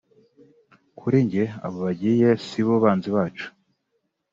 kurijye abo bagiye sibo banzi bacu